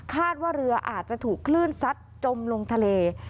ว่าเรืออาจจะถูกคลื่นซัดจมลงทะเล